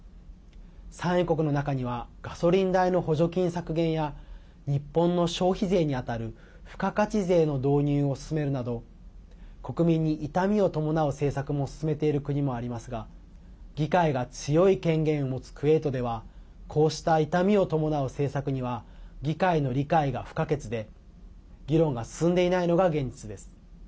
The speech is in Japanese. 産油国の中にはガソリン代の補助金削減や日本の消費税に当たる付加価値税の導入を進めるなど国民に痛みを伴う政策も進めている国もありますが議会が強い権限を持つクウェートではこうした痛みを伴う政策には議会の理解が不可欠で議論が進んでいないのが現実です。